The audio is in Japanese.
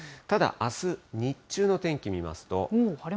ただ、あす日中の天気見ますと。